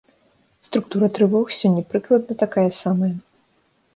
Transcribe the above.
Структура трывог сёння прыкладна такая самая.